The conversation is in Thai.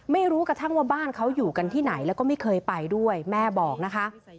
ไม่รู้กระทั่งว่าบ้านเขาอยู่กันที่ไหนแล้วก็ไม่เคยไปด้วยแม่บอกนะคะ